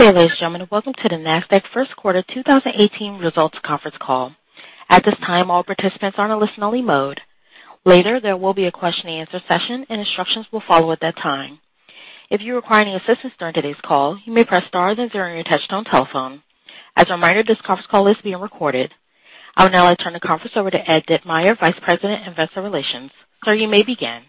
Good day, ladies and gentlemen. Welcome to the Nasdaq first quarter 2018 results conference call. At this time, all participants are in a listen-only mode. Later, there will be a question and answer session, and instructions will follow at that time. If you require any assistance during today's call, you may press star then zero on your touchtone telephone. As a reminder, this conference call is being recorded. I would now like to turn the conference over to Ed Ditmire, Vice President of Investor Relations. Sir, you may begin.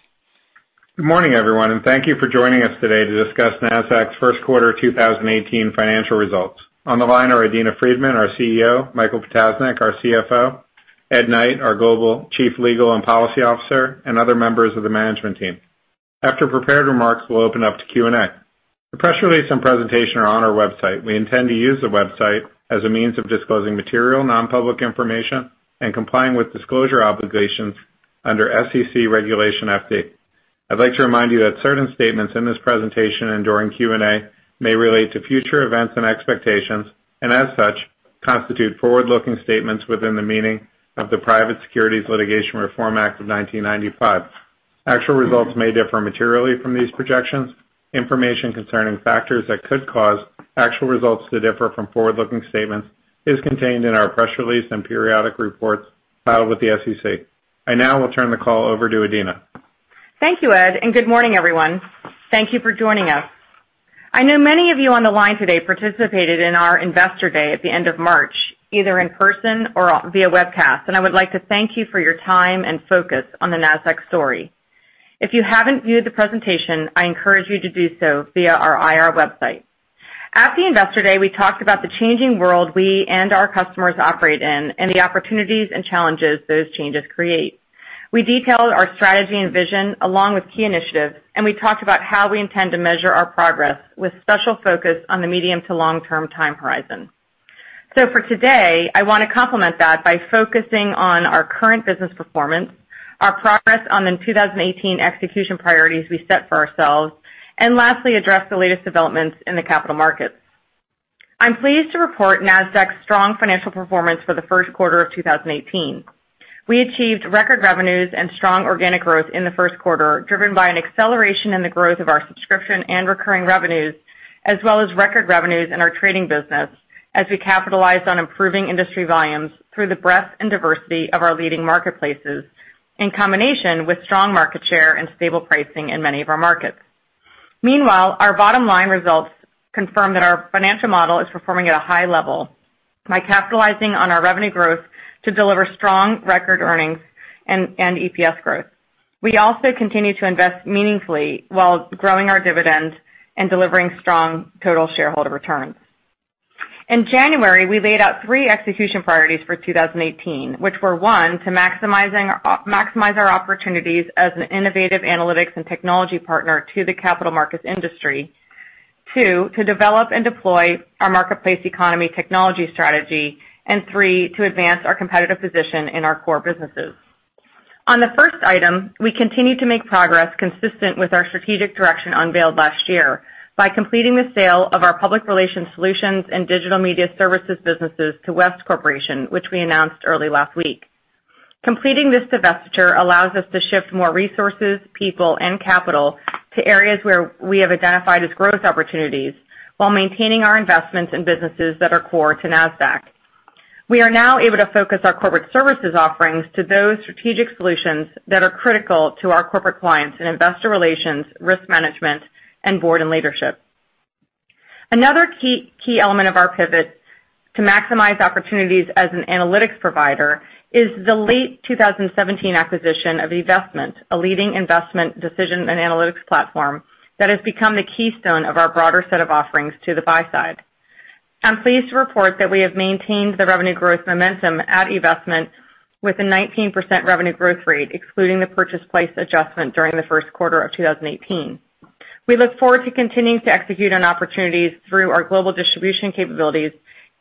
Good morning, everyone. Thank you for joining us today to discuss Nasdaq's first quarter 2018 financial results. On the line are Adena Friedman, our CEO; Michael Ptasznik, our CFO; Ed Knight, our Global Chief Legal and Policy Officer; and other members of the management team. After prepared remarks, we'll open up to Q&A. The press release and presentation are on our website. We intend to use the website as a means of disclosing material, non-public information and complying with disclosure obligations under SEC Regulation FD. I'd like to remind you that certain statements in this presentation and during Q&A may relate to future events and expectations, and as such, constitute forward-looking statements within the meaning of the Private Securities Litigation Reform Act of 1995. Actual results may differ materially from these projections. Information concerning factors that could cause actual results to differ from forward-looking statements is contained in our press release and periodic reports filed with the SEC. I now will turn the call over to Adena. Thank you, Ed. Good morning, everyone. Thank you for joining us. I know many of you on the line today participated in our investor day at the end of March, either in person or via webcast, and I would like to thank you for your time and focus on the Nasdaq story. If you haven't viewed the presentation, I encourage you to do so via our IR website. At the investor day, we talked about the changing world we and our customers operate in and the opportunities and challenges those changes create. We detailed our strategy and vision along with key initiatives, and we talked about how we intend to measure our progress with special focus on the medium to long-term time horizon. For today, I want to complement that by focusing on our current business performance, our progress on the 2018 execution priorities we set for ourselves, and lastly, address the latest developments in the capital markets. I'm pleased to report Nasdaq's strong financial performance for the first quarter of 2018. We achieved record revenues and strong organic growth in the first quarter, driven by an acceleration in the growth of our subscription and recurring revenues, as well as record revenues in our trading business as we capitalized on improving industry volumes through the breadth and diversity of our leading marketplaces, in combination with strong market share and stable pricing in many of our markets. Meanwhile, our bottom line results confirm that our financial model is performing at a high level by capitalizing on our revenue growth to deliver strong record earnings and EPS growth. We also continue to invest meaningfully while growing our dividend and delivering strong total shareholder returns. In January, we laid out three execution priorities for 2018, which were, one, to maximize our opportunities as an innovative analytics and technology partner to the capital markets industry; two, to develop and deploy our marketplace economy technology strategy; and three, to advance our competitive position in our core businesses. On the first item, we continue to make progress consistent with our strategic direction unveiled last year by completing the sale of our public relations solutions and digital media services businesses to West Corporation, which we announced early last week. Completing this divestiture allows us to shift more resources, people, and capital to areas where we have identified as growth opportunities while maintaining our investments in businesses that are core to Nasdaq. We are now able to focus our corporate services offerings to those strategic solutions that are critical to our corporate clients in investor relations, risk management, and board and leadership. Another key element of our pivot to maximize opportunities as an analytics provider is the late 2017 acquisition of eVestment, a leading investment decision and analytics platform that has become the keystone of our broader set of offerings to the buy side. I'm pleased to report that we have maintained the revenue growth momentum at eVestment with a 19% revenue growth rate, excluding the purchase price adjustment during the first quarter of 2018. We look forward to continuing to execute on opportunities through our global distribution capabilities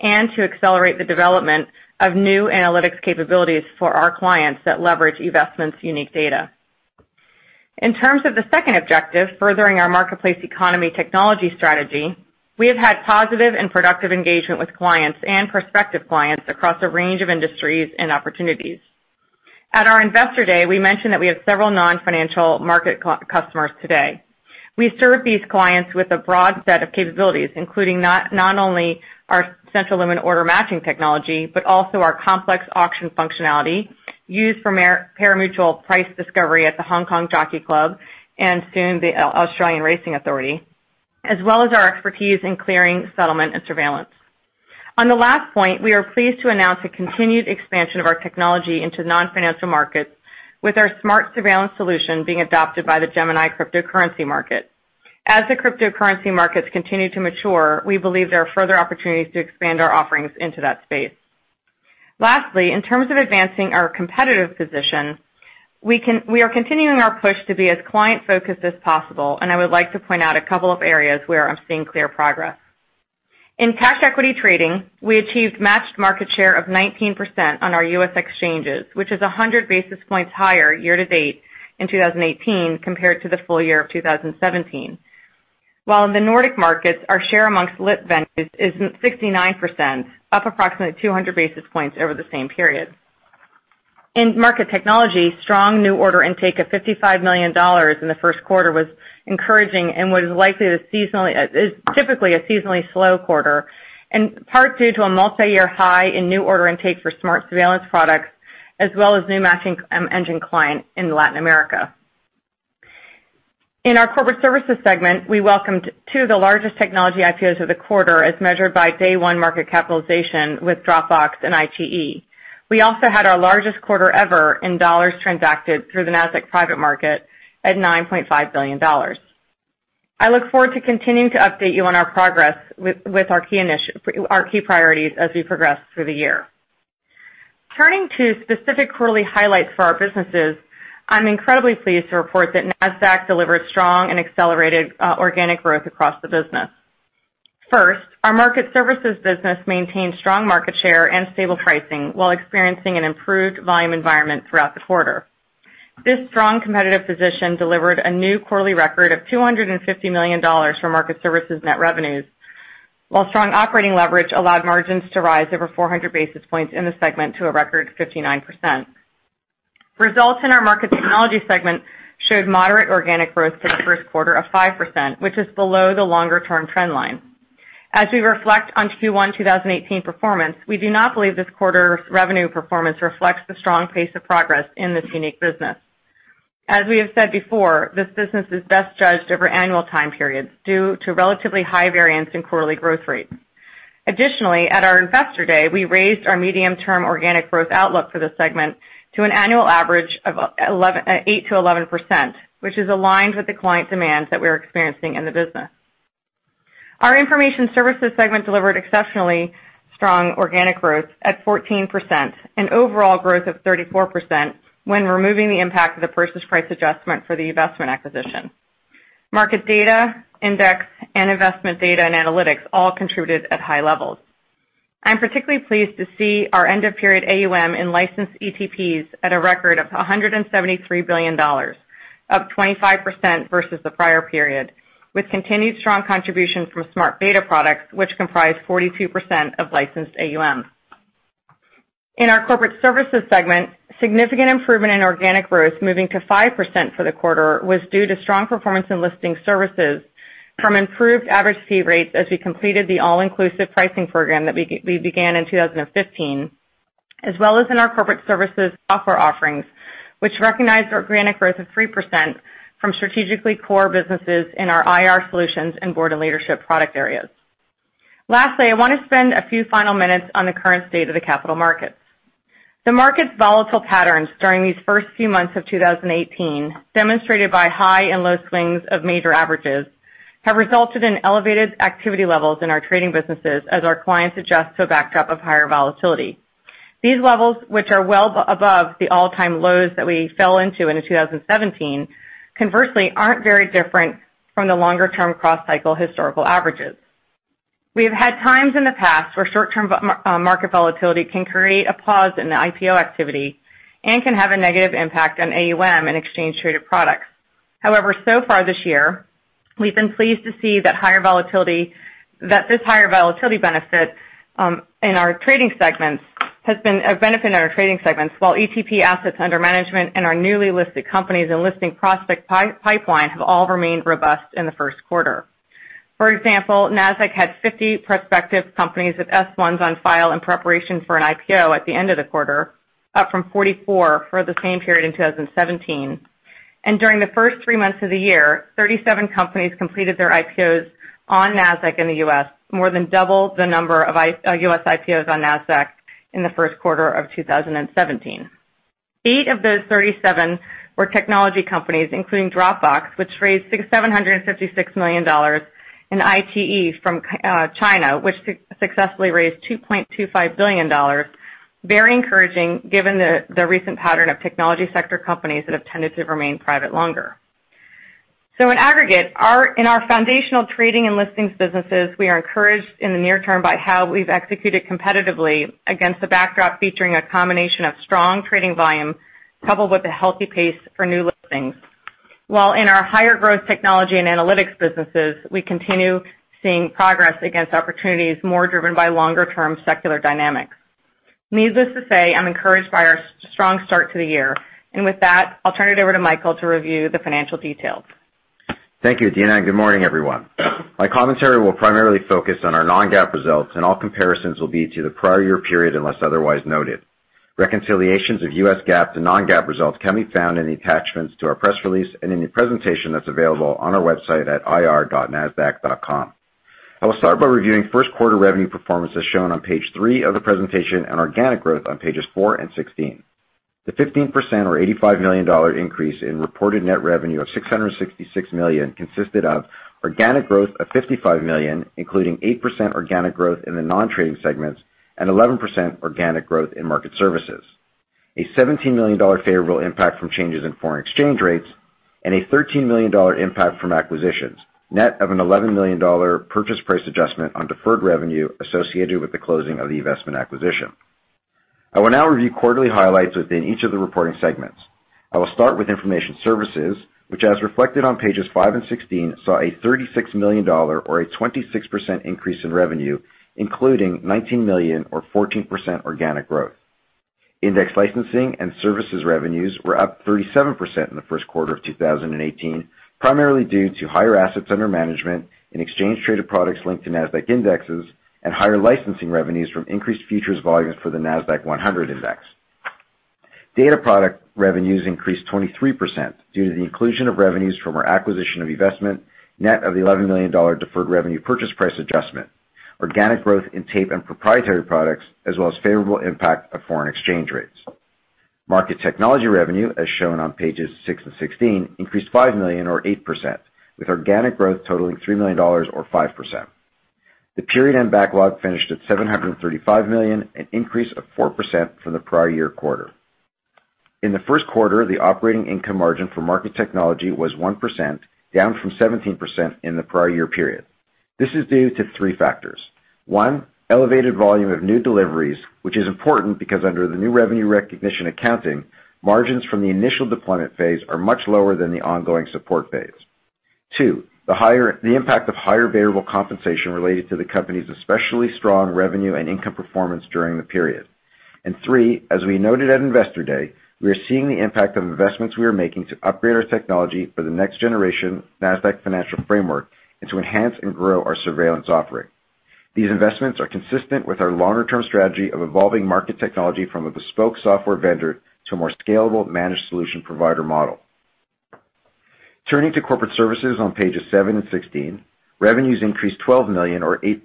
and to accelerate the development of new analytics capabilities for our clients that leverage eVestment's unique data. In terms of the second objective, furthering our marketplace economy technology strategy, we have had positive and productive engagement with clients and prospective clients across a range of industries and opportunities. At our investor day, we mentioned that we have several non-financial market customers today. We serve these clients with a broad set of capabilities, including not only our central limit order matching technology but also our complex auction functionality used for parimutuel price discovery at The Hong Kong Jockey Club, and soon Racing Australia, as well as our expertise in clearing, settlement, and surveillance. On the last point, we are pleased to announce a continued expansion of our technology into non-financial markets with our SMARTS surveillance solution being adopted by the Gemini cryptocurrency market. As the cryptocurrency markets continue to mature, we believe there are further opportunities to expand our offerings into that space. Lastly, in terms of advancing our competitive position, we are continuing our push to be as client-focused as possible, and I would like to point out a couple of areas where I'm seeing clear progress. In cash equity trading, we achieved matched market share of 19% on our U.S. exchanges, which is 100 basis points higher year to date in 2018 compared to the full year of 2017. While in the Nordic markets, our share amongst lit venues is 69%, up approximately 200 basis points over the same period. In market technology, strong new order intake of $55 million in the first quarter was encouraging and is typically a seasonally slow quarter, in part due to a multi-year high in new order intake for SMARTS surveillance products, as well as new matching engine client in Latin America. In our corporate services segment, we welcomed two of the largest technology IPOs of the quarter, as measured by day one market capitalization with Dropbox and iQIYI. We also had our largest quarter ever in dollars transacted through the Nasdaq Private Market at $9.5 billion. I look forward to continuing to update you on our progress with our key priorities as we progress through the year. Turning to specific quarterly highlights for our businesses, I'm incredibly pleased to report that Nasdaq delivered strong and accelerated organic growth across the business. First, our market services business maintained strong market share and stable pricing while experiencing an improved volume environment throughout the quarter. This strong competitive position delivered a new quarterly record of $250 million for market services net revenues, while strong operating leverage allowed margins to rise over 400 basis points in the segment to a record 59%. Results in our market technology segment showed moderate organic growth for the first quarter of 5%, which is below the longer-term trend line. As we reflect on Q1 2018 performance, we do not believe this quarter's revenue performance reflects the strong pace of progress in this unique business. As we have said before, this business is best judged over annual time periods due to relatively high variance in quarterly growth rates. Additionally, at our investor day, we raised our medium-term organic growth outlook for the segment to an annual average of 8%-11%, which is aligned with the client demands that we're experiencing in the business. Our information services segment delivered exceptionally strong organic growth at 14% and overall growth of 34% when removing the impact of the purchase price adjustment for the eVestment acquisition. Market data, index, and investment data and analytics all contributed at high levels. I'm particularly pleased to see our end-of-period AUM in licensed ETPs at a record of $173 billion, up 25% versus the prior period, with continued strong contribution from smart beta products, which comprise 42% of licensed AUM. In our corporate services segment, significant improvement in organic growth, moving to 5% for the quarter, was due to strong performance in listing services from improved average fee rates as we completed the all-inclusive pricing program that we began in 2015, as well as in our corporate services software offerings, which recognized organic growth of 3% from strategically core businesses in our IR solutions and board and leadership product areas. Lastly, I want to spend a few final minutes on the current state of the capital markets. The market's volatile patterns during these first few months of 2018, demonstrated by high and low swings of major averages, have resulted in elevated activity levels in our trading businesses as our clients adjust to a backdrop of higher volatility. These levels, which are well above the all-time lows that we fell into in 2017, conversely aren't very different from the longer-term cross-cycle historical averages. We have had times in the past where short-term market volatility can create a pause in the IPO activity and can have a negative impact on AUM and exchange-traded products. However, so far this year, we've been pleased to see that this higher volatility benefits in our trading segments, while ETP assets under management and our newly listed companies and listing prospect pipeline have all remained robust in the first quarter. For example, Nasdaq had 50 prospective companies with S1s on file in preparation for an IPO at the end of the quarter, up from 44 for the same period in 2017. During the first three months of the year, 37 companies completed their IPOs on Nasdaq in the U.S., more than double the number of U.S. IPOs on Nasdaq in the first quarter of 2017. Eight of those 37 were technology companies, including Dropbox, which raised $756 million, iQIYI from China, which successfully raised $2.25 billion, very encouraging given the recent pattern of technology sector companies that have tended to remain private longer. In aggregate, in our foundational trading and listings businesses, we are encouraged in the near term by how we've executed competitively against a backdrop featuring a combination of strong trading volume coupled with a healthy pace for new listings, while in our higher growth technology and analytics businesses, we continue seeing progress against opportunities more driven by longer-term secular dynamics. Needless to say, I'm encouraged by our strong start to the year. With that, I'll turn it over to Michael to review the financial details. Thank you, Adena. Good morning, everyone. My commentary will primarily focus on our non-GAAP results, all comparisons will be to the prior year period unless otherwise noted. Reconciliations of U.S. GAAP to non-GAAP results can be found in the attachments to our press release and in the presentation that's available on our website at ir.nasdaq.com. I will start by reviewing first quarter revenue performance as shown on page three of the presentation and organic growth on pages four and 16. The 15% or $85 million increase in reported net revenue of $666 million consisted of organic growth of $55 million, including 8% organic growth in the non-trading segments and 11% organic growth in market services, a $17 million favorable impact from changes in foreign exchange rates, and a $13 million impact from acquisitions, net of an $11 million purchase price adjustment on deferred revenue associated with the closing of the eVvestment acquisition. I will now review quarterly highlights within each of the reporting segments. I will start with information services, which as reflected on pages five and 16, saw a $36 million or a 26% increase in revenue, including $19 million or 14% organic growth. Index licensing and services revenues were up 37% in the first quarter of 2018, primarily due to higher assets under management in exchange traded products linked to Nasdaq indexes and higher licensing revenues from increased futures volumes for the Nasdaq-100 Index. Data product revenues increased 23% due to the inclusion of revenues from our acquisition of eVestment, net of the $11 million deferred revenue purchase price adjustment, organic growth in tape and proprietary products, as well as favorable impact of foreign exchange rates. Market technology revenue, as shown on pages six and 16, increased $5 million or 8%, with organic growth totaling $3 million or 5%. The period end backlog finished at $735 million, an increase of 4% from the prior year quarter. In the first quarter, the operating income margin for market technology was 1%, down from 17% in the prior year period. This is due to three factors. One, elevated volume of new deliveries, which is important because under the new revenue recognition accounting, margins from the initial deployment phase are much lower than the ongoing support phase. Two, the impact of higher variable compensation related to the company's especially strong revenue and income performance during the period. Three, as we noted at Investor Day, we are seeing the impact of investments we are making to upgrade our technology for the next generation Nasdaq Financial Framework and to enhance and grow our surveillance offering. These investments are consistent with our longer-term strategy of evolving market technology from a bespoke software vendor to a more scalable managed solution provider model. Turning to corporate services on pages seven and 16, revenues increased $12 million or 8%.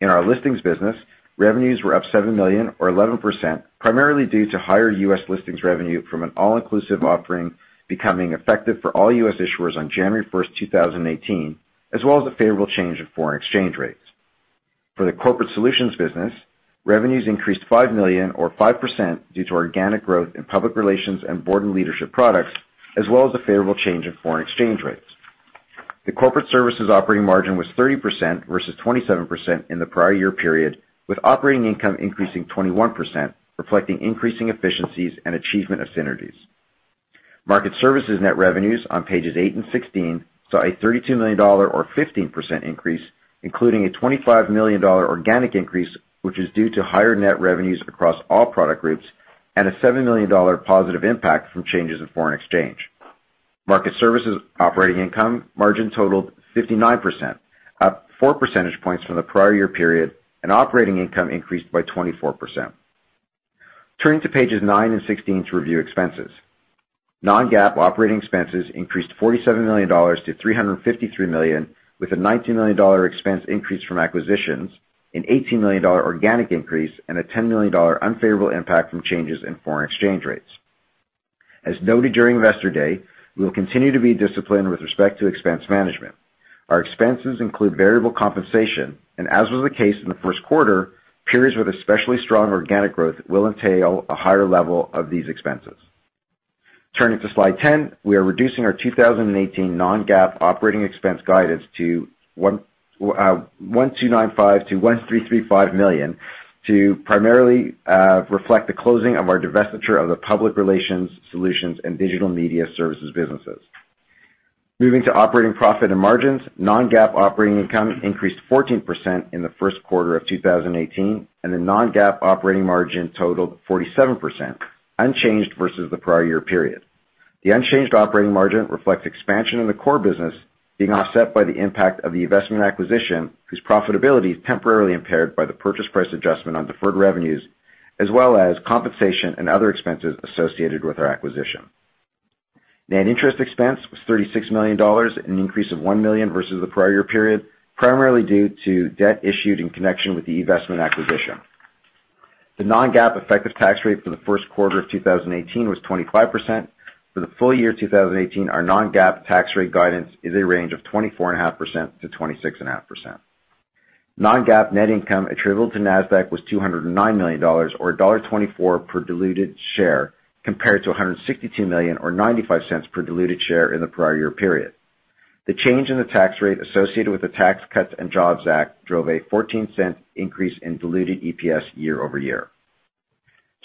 In our listings business, revenues were up $7 million or 11%, primarily due to higher U.S. listings revenue from an all-inclusive offering becoming effective for all U.S. issuers on January 1st, 2018, as well as a favorable change in foreign exchange rates. For the corporate solutions business, revenues increased $5 million or 5% due to organic growth in public relations and board and leadership products, as well as a favorable change in foreign exchange rates. The corporate services operating margin was 30% versus 27% in the prior year period, with operating income increasing 21%, reflecting increasing efficiencies and achievement of synergies. Market services net revenues on pages eight and 16 saw a $32 million or 15% increase, including a $25 million organic increase, which is due to higher net revenues across all product groups and a $7 million positive impact from changes in foreign exchange. Market services operating income margin totaled 59%, up four percentage points from the prior year period, and operating income increased by 24%. Turning to pages nine and 16 to review expenses. Non-GAAP operating expenses increased $47 million to $353 million, with a $19 million expense increase from acquisitions, an $18 million organic increase, and a $10 million unfavorable impact from changes in foreign exchange rates. As noted during Investor Day, we will continue to be disciplined with respect to expense management. Our expenses include variable compensation, and as was the case in the first quarter, periods with especially strong organic growth will entail a higher level of these expenses. Turning to slide 10, we are reducing our 2018 non-GAAP operating expense guidance to $1,295 million-$1,335 million to primarily reflect the closing of our divestiture of the public relations solutions and digital media services businesses. Moving to operating profit and margins, non-GAAP operating income increased 14% in the first quarter of 2018, and the non-GAAP operating margin totaled 47%, unchanged versus the prior year period. The unchanged operating margin reflects expansion in the core business being offset by the impact of the eVestment acquisition, whose profitability is temporarily impaired by the purchase price adjustment on deferred revenues, as well as compensation and other expenses associated with our acquisition. Net interest expense was $36 million, an increase of $1 million versus the prior year period, primarily due to debt issued in connection with the eVestment acquisition. The non-GAAP effective tax rate for the first quarter of 2018 was 25%. For the full year 2018, our non-GAAP tax rate guidance is a range of 24.5%-26.5%. Non-GAAP net income attributable to Nasdaq was $209 million, or $1.24 per diluted share, compared to $162 million or $0.95 per diluted share in the prior year period. The change in the tax rate associated with the Tax Cuts and Jobs Act drove a $0.14 increase in diluted EPS year-over-year.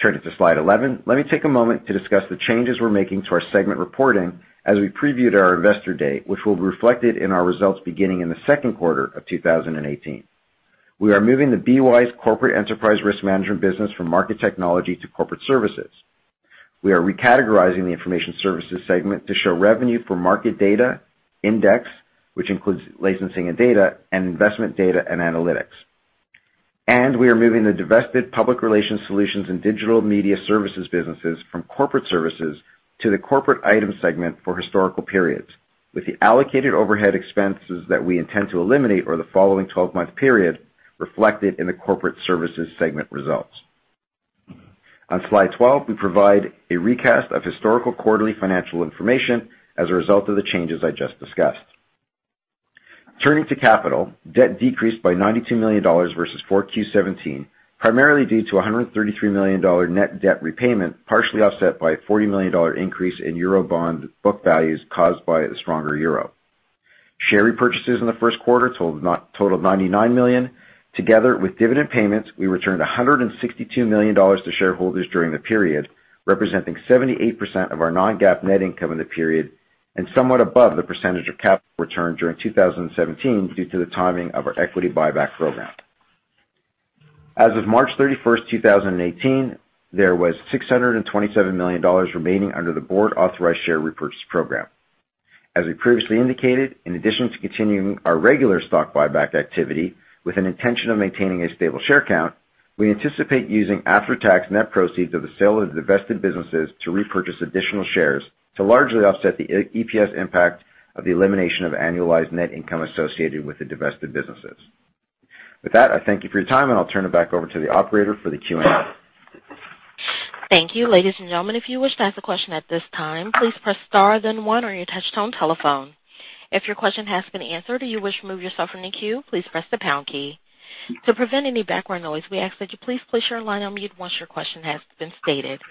Turning to slide 11, let me take a moment to discuss the changes we're making to our segment reporting as we previewed at our Investor Day, which will be reflected in our results beginning in the second quarter of 2018. We are moving the BWise corporate enterprise risk management business from market technology to corporate services. We are recategorizing the information services segment to show revenue for market data, index, which includes licensing and data, and investment data and analytics. We are moving the divested public relations solutions and digital media services businesses from corporate services to the corporate item segment for historical periods, with the allocated overhead expenses that we intend to eliminate over the following 12-month period reflected in the corporate services segment results. On slide 12, we provide a recast of historical quarterly financial information as a result of the changes I just discussed. Turning to capital, debt decreased by $92 million versus 4Q 2017, primarily due to $133 million net debt repayment, partially offset by a $40 million increase in Eurobond book values caused by the stronger EUR. Share repurchases in the first quarter totaled $99 million. Together with dividend payments, we returned $162 million to shareholders during the period, representing 78% of our non-GAAP net income in the period, and somewhat above the percentage of capital return during 2017 due to the timing of our equity buyback program. As of March 31st, 2018, there was $627 million remaining under the board-authorized share repurchase program. As we previously indicated, in addition to continuing our regular stock buyback activity with an intention of maintaining a stable share count, we anticipate using after-tax net proceeds of the sale of the divested businesses to repurchase additional shares to largely offset the EPS impact of the elimination of annualized net income associated with the divested businesses. With that, I thank you for your time, and I'll turn it back over to the operator for the Q&A. Thank you. Ladies and gentlemen, if you wish to ask a question at this time, please press star then one on your touchtone telephone. If your question has been answered or you wish to remove yourself from the queue, please press the pound key. To prevent any background noise, we ask that you please place your line on mute once your question has been stated.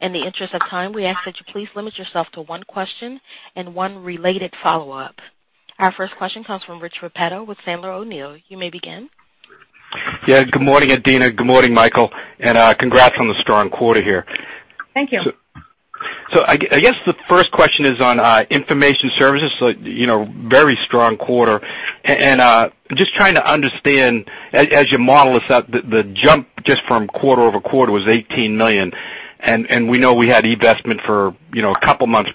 In the interest of time, we ask that you please limit yourself to one question and one related follow-up. Our first question comes from Rich Repetto with Sandler O'Neill. You may begin. Yeah. Good morning, Adena. Good morning, Michael. Congrats on the strong quarter here. Thank you. I guess the first question is on Information Services, very strong quarter. Just trying to understand, as you model this out, the jump just from quarter-over-quarter was $18 million, and we know we had eVestment for a couple months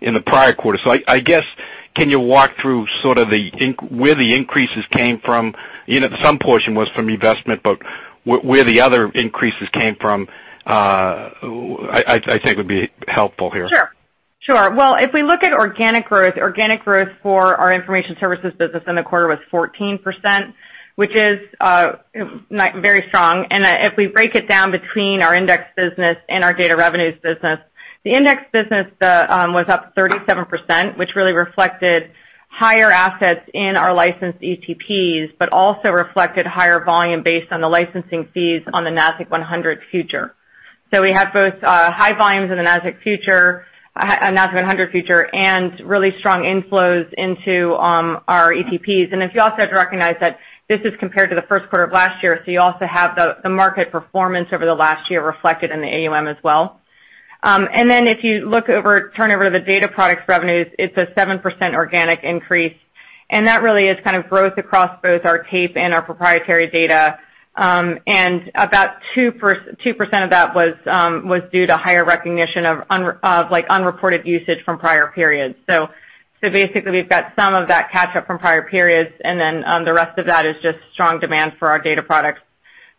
in the prior quarter. I guess, can you walk through sort of where the increases came from? Some portion was from eVestment, but where the other increases came from, I think would be helpful here. Sure. Well, if we look at organic growth, organic growth for our Information Services business in the quarter was 14%, which is very strong. If we break it down between our Index Business and our Data Revenues Business, the Index Business was up 37%, which really reflected higher assets in our licensed ETPs, but also reflected higher volume based on the licensing fees on the Nasdaq-100 future. We have both high volumes in the Nasdaq-100 future and really strong inflows into our ETPs. You also have to recognize that this is compared to the first quarter of last year, so you also have the market performance over the last year reflected in the AUM as well. If you turn over to the Data Products Revenues, it's a 7% organic increase, that really is kind of growth across both our tape and our proprietary data. About 2% of that was due to higher recognition of unreported usage from prior periods. Basically, we've got some of that catch-up from prior periods, the rest of that is just strong demand for our data products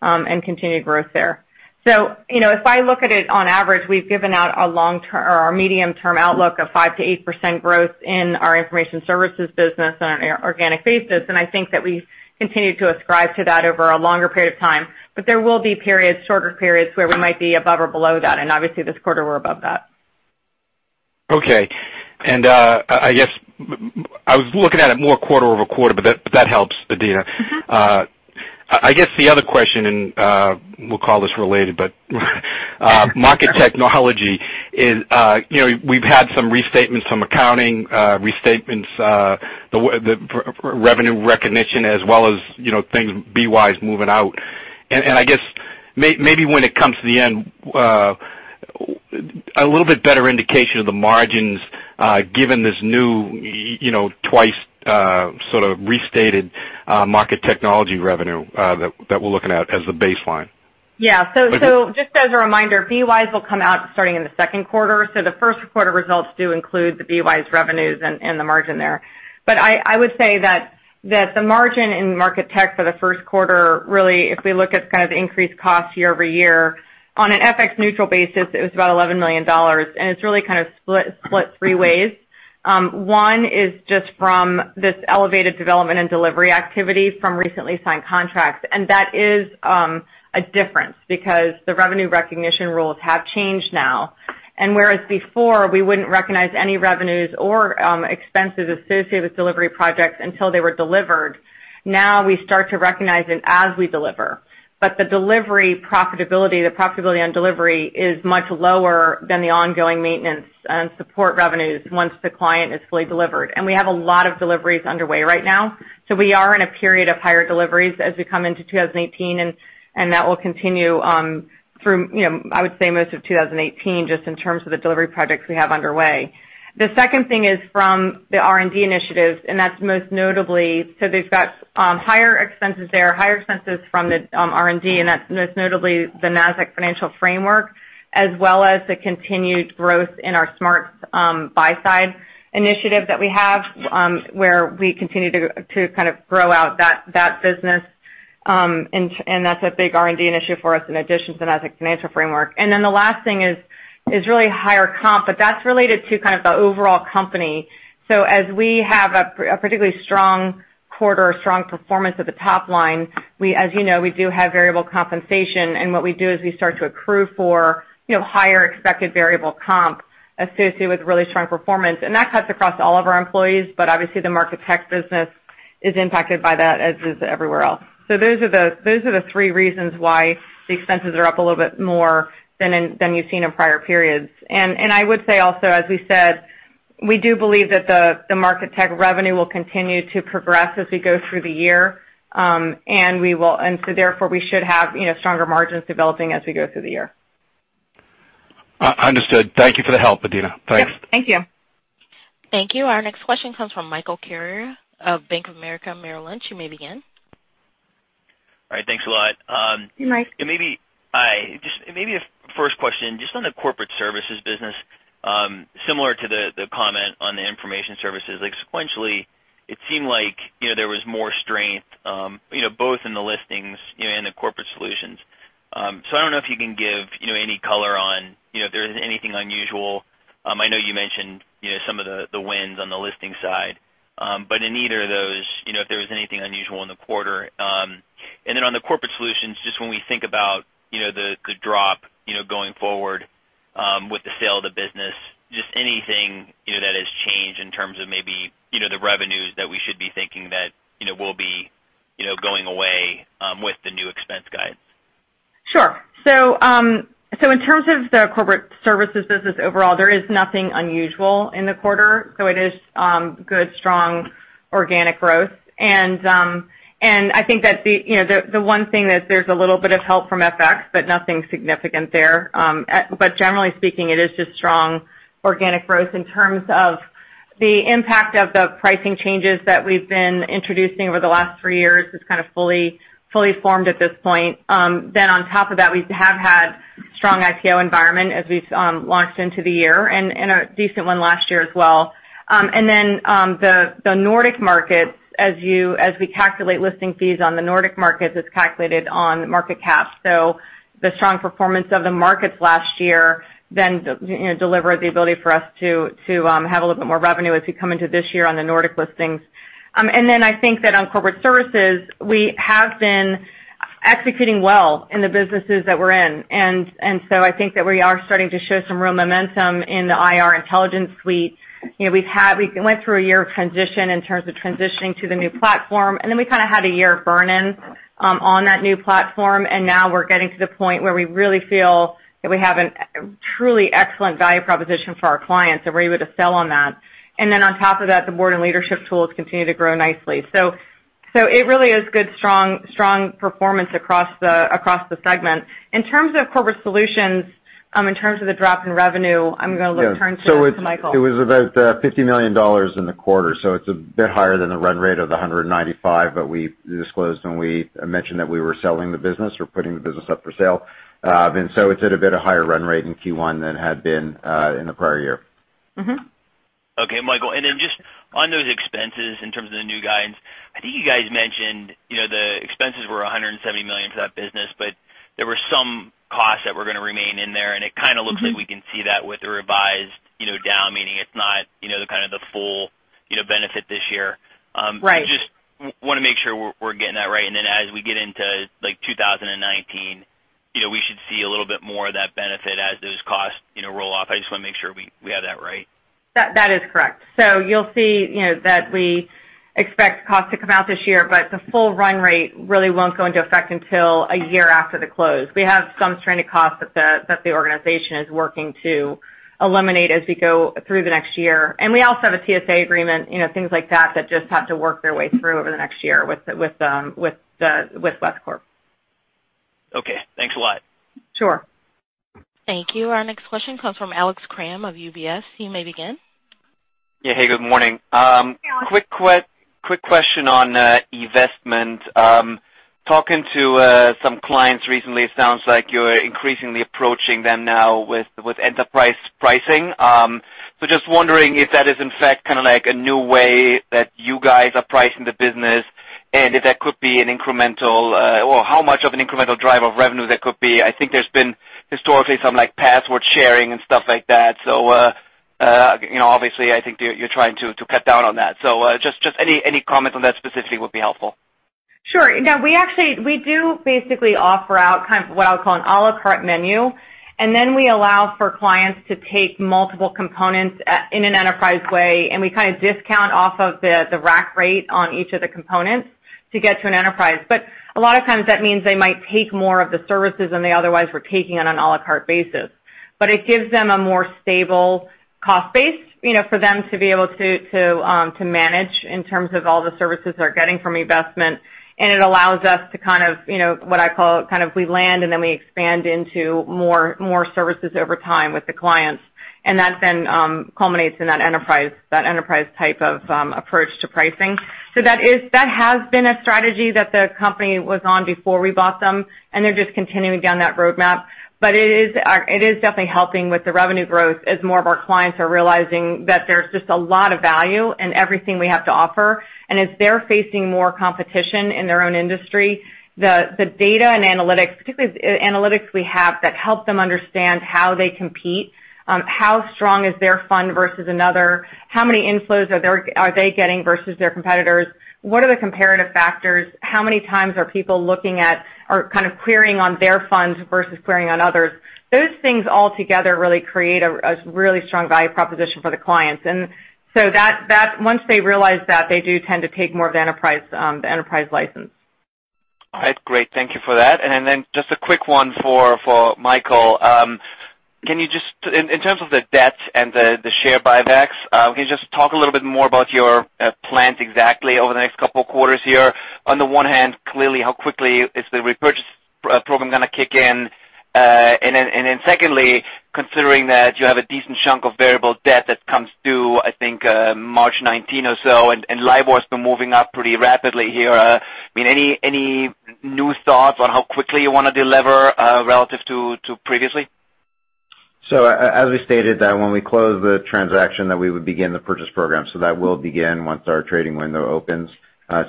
and continued growth there. If I look at it on average, we've given out our medium-term outlook of 5%-8% growth in our Information Services business on an organic basis. I think that we've continued to ascribe to that over a longer period of time. There will be periods, shorter periods, where we might be above or below that, and obviously this quarter we're above that. Okay. I guess I was looking at it more quarter-over-quarter, but that helps, Adena. I guess the other question, we'll call this related, but Market Technology is, we've had some restatements, some accounting restatements, the revenue recognition as well as things BWise moving out. I guess, maybe when it comes to the end, a little bit better indication of the margins, given this new twice sort of restated Market Technology revenue that we're looking at as the baseline. Just as a reminder, BWise will come out starting in the second quarter. The first quarter results do include the BWise revenues and the margin there. I would say that the margin in Market Technology for the first quarter, really, if we look at kind of the increased cost year-over-year, on an FX neutral basis, it was about $11 million, and it's really kind of split three ways. One is just from this elevated development and delivery activity from recently signed contracts. That is a difference because the revenue recognition rules have changed now. Whereas before we wouldn't recognize any revenues or expenses associated with delivery projects until they were delivered, now we start to recognize it as we deliver. The delivery profitability, the profitability on delivery, is much lower than the ongoing maintenance and support revenues once the client is fully delivered. We have a lot of deliveries underway right now. We are in a period of higher deliveries as we come into 2018, and that will continue through, I would say, most of 2018, just in terms of the delivery projects we have underway. The second thing is from the R&D initiatives, and that's most notably the Nasdaq Financial Framework, as well as the continued growth in our SMARTS for Buy-Side initiative that we have, where we continue to kind of grow out that business. That's a big R&D initiative for us in addition to Nasdaq Financial Framework. The last thing is really higher comp, but that's related to kind of the overall company. As we have a particularly strong quarter or strong performance at the top line, as you know, we do have variable compensation, and what we do is we start to accrue for higher expected variable comp associated with really strong performance. That cuts across all of our employees, but obviously the Market Technology business is impacted by that, as is everywhere else. Those are the three reasons why the expenses are up a little bit more than you've seen in prior periods. I would say also, as we said, we do believe that the Market Tech revenue will continue to progress as we go through the year. Therefore we should have stronger margins developing as we go through the year. Understood. Thank you for the help, Adena. Thanks. Yep. Thank you. Thank you. Our next question comes from Michael Carrier of Bank of America Merrill Lynch. You may begin. All right. Thanks a lot. You're welcome. Hi. Just maybe a first question, just on the corporate services business, similar to the comment on the information services. Like sequentially, it seemed like there was more strength, both in the listings and the corporate solutions. I don't know if you can give any color on if there is anything unusual. I know you mentioned some of the wins on the listing side. In either of those, if there was anything unusual in the quarter. On the corporate solutions, just when we think about the drop going forward with the sale of the business, just anything that has changed in terms of maybe the revenues that we should be thinking that will be going away with the new expense guides. Sure. In terms of the corporate services business overall, there is nothing unusual in the quarter. It is good, strong organic growth. I think that the one thing that there's a little bit of help from FX, but nothing significant there. Generally speaking, it is just strong organic growth in terms of the impact of the pricing changes that we've been introducing over the last three years. It's kind of fully formed at this point. On top of that, we have had strong IPO environment as we've launched into the year, and a decent one last year as well. The Nordic markets, as we calculate listing fees on the Nordic markets, it's calculated on market cap. The strong performance of the markets last year delivered the ability for us to have a little bit more revenue as we come into this year on the Nordic listings. I think that on corporate services, we have been executing well in the businesses that we're in. I think that we are starting to show some real momentum in the IR intelligence suite. We went through a year of transition in terms of transitioning to the new platform, we kind of had a year of burn-in on that new platform. We're getting to the point where we really feel that we have a truly excellent value proposition for our clients, that we're able to sell on that. On top of that, the board and leadership tools continue to grow nicely. It really is good, strong performance across the segment. In terms of corporate solutions, in terms of the drop in revenue, I'm going to turn to Michael. It was about $50 million in the quarter. It's a bit higher than the run rate of the $195 million that we disclosed when we mentioned that we were selling the business or putting the business up for sale. It's at a bit of higher run rate in Q1 than had been in the prior year. Okay, Michael. Just on those expenses in terms of the new guidance, I think you guys mentioned the expenses were $170 million for that business, but there were some costs that were going to remain in there, it kind of looks like we can see that with the revised down, meaning it's not the kind of the full benefit this year. Right. Just want to make sure we're getting that right. Then as we get into 2019, we should see a little bit more of that benefit as those costs roll off. I just want to make sure we have that right. That is correct. You'll see that we expect costs to come out this year, but the full run rate really won't go into effect until a year after the close. We have some stranded costs that the organization is working to eliminate as we go through the next year. We also have a TSA agreement, things like that just have to work their way through over the next year with West Corporation. Okay. Thanks a lot. Sure. Thank you. Our next question comes from Alex Kramm of UBS. You may begin. Yeah. Hey, good morning. Good morning. Quick question on eVestment. Talking to some clients recently, it sounds like you're increasingly approaching them now with enterprise pricing. Just wondering if that is in fact kind of like a new way that you guys are pricing the business, and if that could be an incremental, or how much of an incremental drive of revenue that could be. I think there's been historically some password sharing and stuff like that. Obviously I think you're trying to cut down on that. Just any comment on that specifically would be helpful. Sure. No, we do basically offer out kind of what I would call an à la carte menu, and then we allow for clients to take multiple components in an enterprise way, and we kind of discount off of the rack rate on each of the components to get to an enterprise. A lot of times that means they might take more of the services than they otherwise were taking on an à la carte basis. It gives them a more stable cost base for them to be able to manage in terms of all the services they're getting from eVestment. It allows us to kind of what I call kind of we land and then we expand into more services over time with the clients. That then culminates in that enterprise type of approach to pricing. That has been a strategy that the company was on before we bought them, and they're just continuing down that roadmap. It is definitely helping with the revenue growth as more of our clients are realizing that there's just a lot of value in everything we have to offer. As they're facing more competition in their own industry, the data and analytics, particularly the analytics we have that help them understand how they compete, how strong is their fund versus another, how many inflows are they getting versus their competitors, what are the comparative factors, how many times are people looking at or kind of querying on their funds versus querying on others? Those things all together really create a really strong value proposition for the clients. Once they realize that, they do tend to take more of the enterprise license. All right, great. Thank you for that. Then just a quick one for Michael. In terms of the debt and the share buybacks, can you just talk a little bit more about your plans exactly over the next couple of quarters here? On the one hand, clearly, how quickly is the repurchase program going to kick in? Then secondly, considering that you have a decent chunk of variable debt that comes due, I think, March 19 or so, and LIBOR's been moving up pretty rapidly here, any new thoughts on how quickly you want to delever relative to previously? As we stated that when we close the transaction that we would begin the purchase program, that will begin once our trading window opens.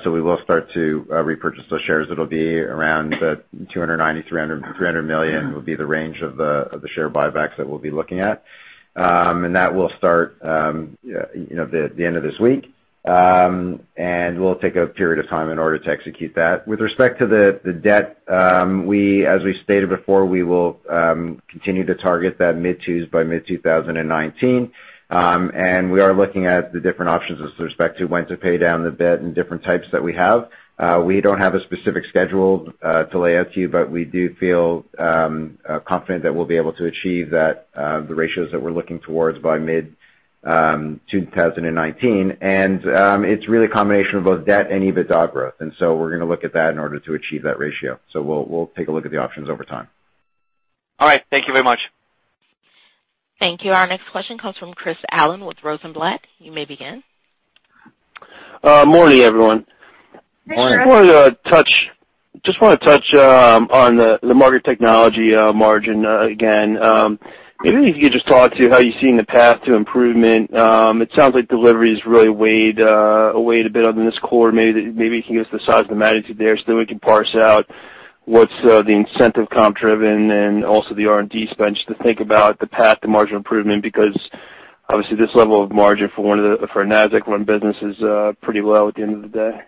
We will start to repurchase those shares. It'll be around the $290 million-$300 million would be the range of the share buybacks that we'll be looking at. That will start the end of this week. We'll take a period of time in order to execute that. With respect to the debt, as we stated before, we will continue to target that mid-threes by mid-2019. We are looking at the different options with respect to when to pay down the debt and different types that we have. We don't have a specific schedule to lay out to you, we do feel confident that we'll be able to achieve the ratios that we're looking towards by mid-2019. It's really a combination of both debt and EBITDA growth. We're going to look at that in order to achieve that ratio. We'll take a look at the options over time. All right. Thank you very much. Thank you. Our next question comes from Chris Allen with Rosenblatt. You may begin. Morning, everyone. Morning. Want to touch on the market technology margin again. Maybe if you could just talk to how you're seeing the path to improvement. It sounds like delivery is really a weight a bit on this quarter. Maybe if you can give us the size of the magnitude there, so that we can parse out what's the incentive comp driven and also the R&D spend to think about the path to margin improvement, because obviously this level of margin for a Nasdaq-run business is pretty low at the end of the day.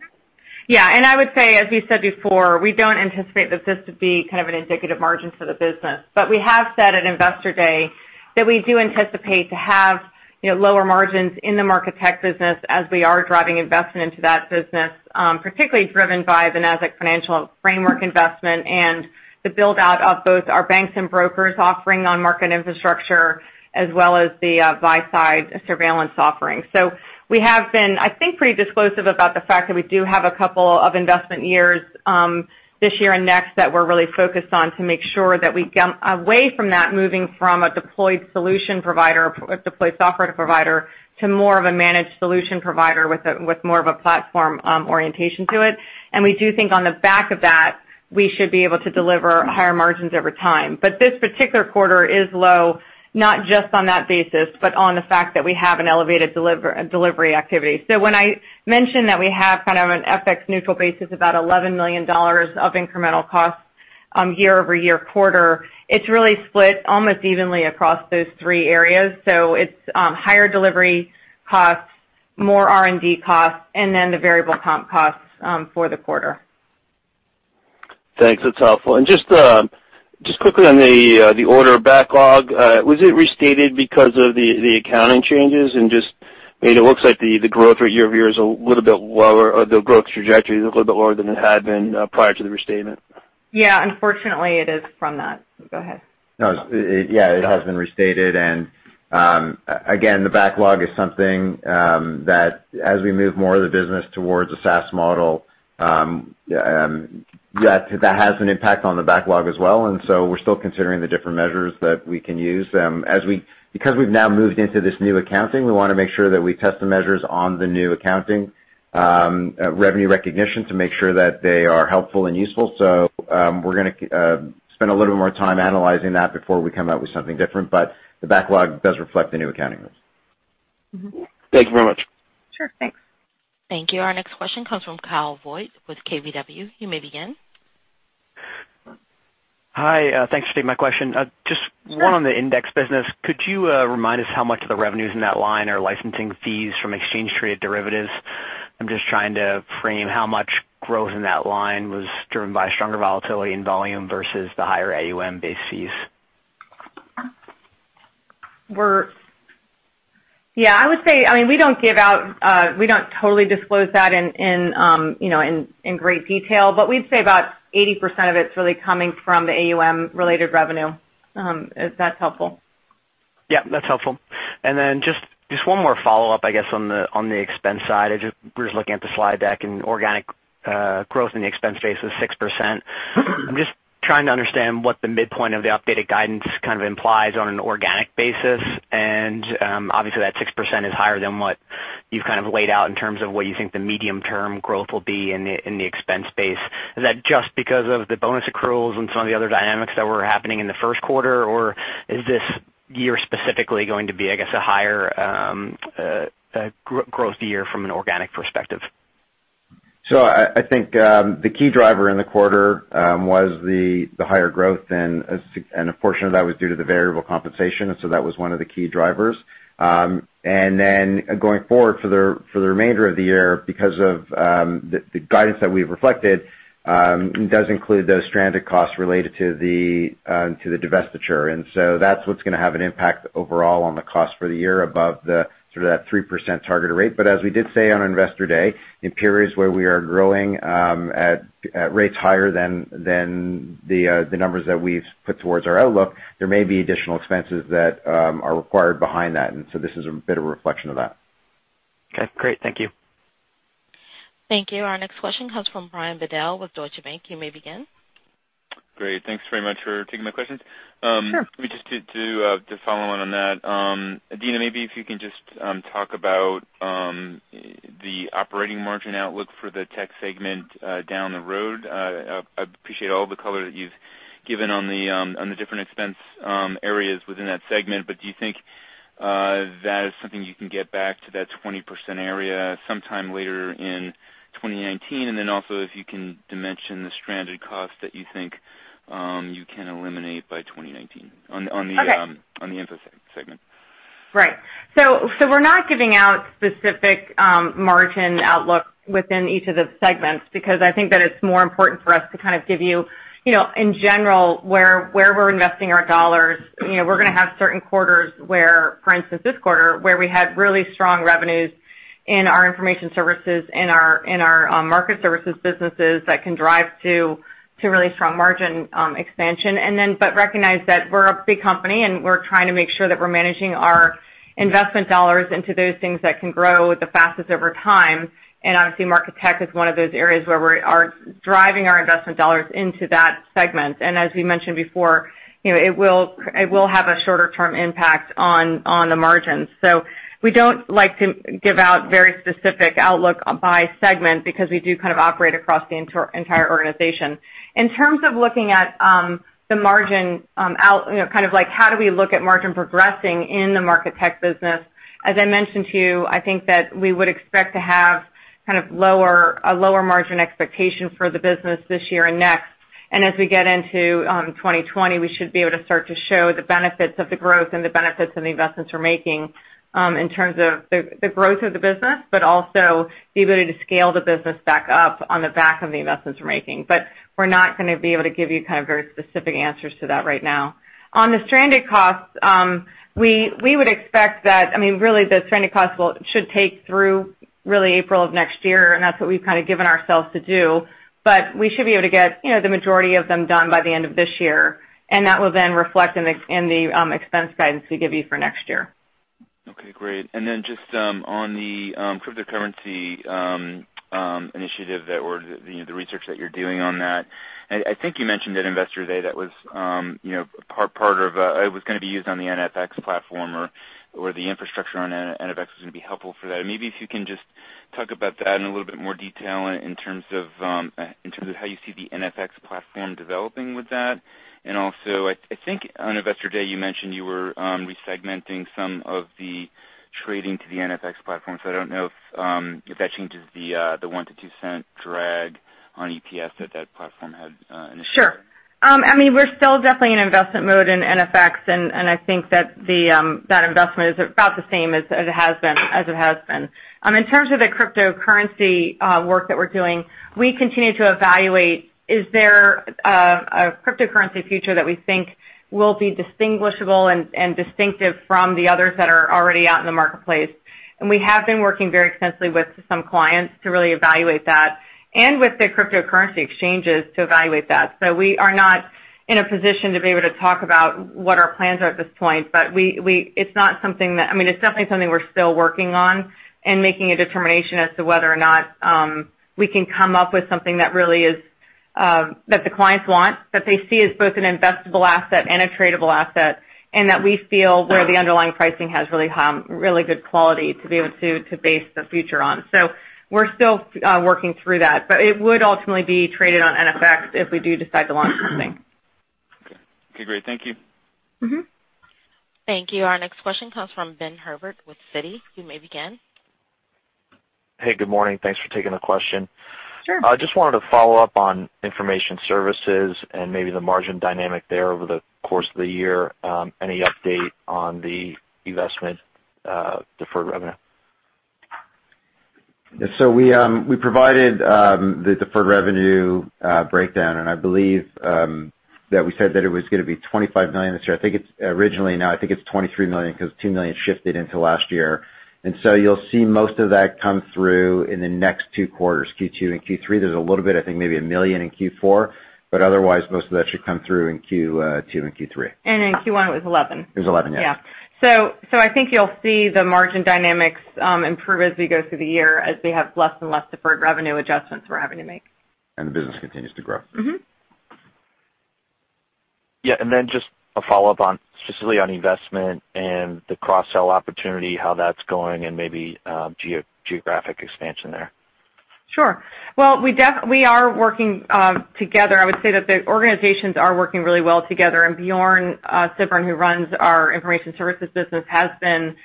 Yeah. I would say, as we said before, we don't anticipate that this would be kind of an indicative margin for the business. We have said at Investor Day that we do anticipate to have lower margins in the market tech business as we are driving investment into that business, particularly driven by the Nasdaq Financial Framework investment and the build-out of both our banks and brokers offering on market infrastructure, as well as the buy-side surveillance offering. We have been, I think, pretty disclosive about the fact that we do have a couple of investment years, this year and next, that we're really focused on to make sure that we come away from that moving from a deployed software provider to more of a managed solution provider with more of a platform orientation to it. We do think on the back of that, we should be able to deliver higher margins over time. This particular quarter is low, not just on that basis, but on the fact that we have an elevated delivery activity. When I mention that we have kind of an FX neutral basis, about $11 million of incremental costs year-over-year quarter, it's really split almost evenly across those three areas. It's higher delivery costs, more R&D costs, and then the variable comp costs for the quarter. Thanks. That's helpful. Just quickly on the order backlog, was it restated because of the accounting changes? Just, it looks like the growth rate year-over-year is a little bit lower, or the growth trajectory is a little bit lower than it had been prior to the restatement. Yeah, unfortunately it is from that. Go ahead. Yeah, it has been restated. Again, the backlog is something that as we move more of the business towards a SaaS model, that has an impact on the backlog as well. We're still considering the different measures that we can use. Because we've now moved into this new accounting, we want to make sure that we test the measures on the new accounting revenue recognition to make sure that they are helpful and useful. We're going to spend a little more time analyzing that before we come out with something different, the backlog does reflect the new accounting rules. Thank you very much. Sure. Thanks. Thank you. Our next question comes from Kyle Voigt with KBW. You may begin. Hi. Thanks for taking my question. Sure. Just one on the index business. Could you remind us how much of the revenues in that line are licensing fees from exchange traded derivatives? I'm just trying to frame how much growth in that line was driven by stronger volatility in volume versus the higher AUM-based fees. I would say, we don't totally disclose that in great detail, but we'd say about 80% of it's really coming from the AUM-related revenue if that's helpful. That's helpful. Just one more follow-up, I guess, on the expense side. I just was looking at the slide deck and organic growth in the expense base was 6%. I'm just trying to understand what the midpoint of the updated guidance kind of implies on an organic basis, and obviously that 6% is higher than what you've kind of laid out in terms of what you think the medium-term growth will be in the expense base. Is that just because of the bonus accruals and some of the other dynamics that were happening in the first quarter, or is this year specifically going to be, I guess, a higher growth year from an organic perspective? I think the key driver in the quarter was the higher growth and a portion of that was due to the variable compensation. That was one of the key drivers. Going forward for the remainder of the year, because of the guidance that we've reflected, it does include those stranded costs related to the divestiture. That's what's going to have an impact overall on the cost for the year above the sort of that 3% targeted rate. As we did say on Investor Day, in periods where we are growing at rates higher than the numbers that we've put towards our outlook, there may be additional expenses that are required behind that. This is a bit of a reflection of that. Okay, great. Thank you. Thank you. Our next question comes from Brian Bedell with Deutsche Bank. You may begin. Great. Thanks very much for taking my questions. Sure. Just to follow on that. Adena, maybe if you can just talk about the operating margin outlook for the tech segment down the road. I appreciate all the color that you've given on the different expense areas within that segment, do you think that is something you can get back to that 20% area sometime later in 2019? Also if you can dimension the stranded cost that you think you can eliminate by 2019 on the info segment. Right. We're not giving out specific margin outlook within each of the segments because I think that it's more important for us to kind of give you, in general, where we're investing our dollars. We're going to have certain quarters where, for instance, this quarter, where we had really strong revenues in our Information Services and our market services businesses that can drive to really strong margin expansion. Recognize that we're a big company, and we're trying to make sure that we're managing our investment dollars into those things that can grow the fastest over time. Obviously, market tech is one of those areas where we are driving our investment dollars into that segment. As we mentioned before, it will have a shorter-term impact on the margins. We don't like to give out very specific outlook by segment because we do kind of operate across the entire organization. In terms of looking at the margin out, kind of like how do we look at margin progressing in the market tech business? As I mentioned to you, I think that we would expect to have kind of a lower margin expectation for the business this year and next. As we get into 2020, we should be able to start to show the benefits of the growth and the benefits of the investments we're making, in terms of the growth of the business, but also the ability to scale the business back up on the back of the investments we're making. We're not going to be able to give you kind of very specific answers to that right now. On the stranded costs, we would expect that, really the stranded costs should take through really April of next year, and that's what we've kind of given ourselves to do. We should be able to get the majority of them done by the end of this year. That will then reflect in the expense guidance we give you for next year. Okay, great. Just on the cryptocurrency initiative that, or the research that you're doing on that. I think you mentioned at Investor Day that it was going to be used on the Nasdaq Futures (NFX) platform or the infrastructure on Nasdaq Futures (NFX) was going to be helpful for that. Maybe if you can just talk about that in a little bit more detail in terms of how you see the Nasdaq Futures (NFX) platform developing with that. I think on Investor Day, you mentioned you were re-segmenting some of the trading to the Nasdaq Futures (NFX) platform. I don't know if that changes the $0.01-$0.02 drag on EPS that that platform had initially. Sure. We're still definitely in investment mode in Nasdaq Futures (NFX). I think that investment is about the same as it has been. In terms of the cryptocurrency work that we're doing, we continue to evaluate, is there a cryptocurrency future that we think will be distinguishable and distinctive from the others that are already out in the marketplace. We have been working very extensively with some clients to really evaluate that, and with the cryptocurrency exchanges to evaluate that. We are not in a position to be able to talk about what our plans are at this point. It's definitely something we're still working on and making a determination as to whether or not we can come up with something that the clients want, that they see as both an investable asset and a tradable asset, and that we feel where the underlying pricing has really good quality to be able to base the future on. We're still working through that. It would ultimately be traded on Nasdaq Futures (NFX) if we do decide to launch something. Okay, great. Thank you. Thank you. Our next question comes from Benjamin Herbert with Citi. You may begin. Hey, good morning. Thanks for taking the question. Sure. I just wanted to follow up on information services and maybe the margin dynamic there over the course of the year. Any update on the eVestment deferred revenue? We provided the deferred revenue breakdown, and I believe that we said that it was going to be $25 million this year. I think it's originally now I think it's $23 million because $2 million shifted into last year. You'll see most of that come through in the next two quarters, Q2 and Q3. There's a little bit, I think maybe $1 million in Q4. Otherwise, most of that should come through in Q2 and Q3. In Q1 it was 11. It was 11, yeah. Yeah. I think you'll see the margin dynamics improve as we go through the year as we have less and less deferred revenue adjustments we're having to make. The business continues to grow. Yeah, then just a follow-up on specifically on eVestment and the cross-sell opportunity, how that's going and maybe geographic expansion there. Sure. Well, we are working together. I would say that the organizations are working really well together, Bjørn Sibbern, who runs our Information Services business, has been